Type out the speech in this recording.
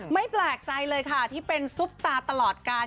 ไม่แปลกใจเลยค่ะที่เป็นซุปตาตลอดการ